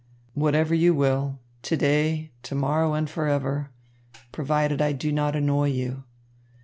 "Whatever you will, to day, to morrow, and forever, provided I do not annoy you.